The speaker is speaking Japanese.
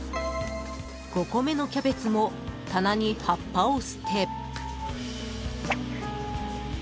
［５個目のキャベツも棚に葉っぱを捨て］